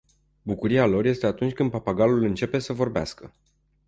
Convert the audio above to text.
Bucuria lor este atunci când papagalul începe să vorbească.